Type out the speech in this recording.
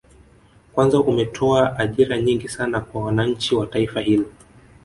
Kwanza umetoa ajira nyingi sana kwa wananchi wa taifa hilo